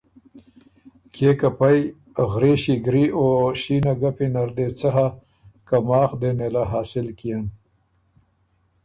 کيې که پئ غرېݭی ګری او شینه ګپی نر دې څۀ هۀ که ماخ دې نېله حاصل کيېن؟